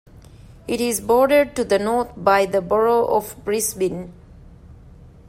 It is bordered to the north by the borough of Brisbin.